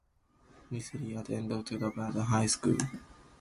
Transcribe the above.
Nicely attended Rupert High School.